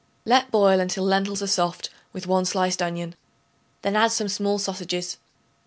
Let boil until lentils are soft, with 1 sliced onion. Then add some small sausages.